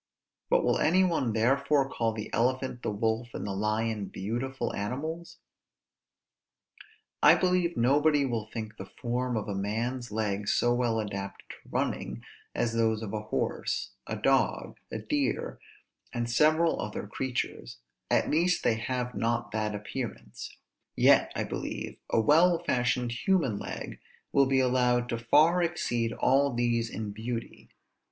but will any one therefore call the elephant, the wolf, and the lion, beautiful animals? I believe nobody will think the form of a man's leg so well adapted to running, as those of a horse, a dog, a deer, and several other creatures; at least they have not that appearance: yet, I believe, a well fashioned human leg will be allowed to far exceed all these in beauty.